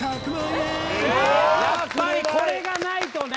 やっぱりこれがないとね